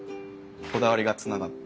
こだわりがつながって。